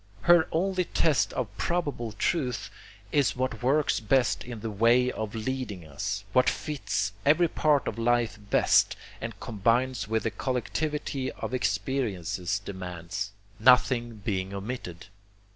Her only test of probable truth is what works best in the way of leading us, what fits every part of life best and combines with the collectivity of experience's demands, nothing being omitted.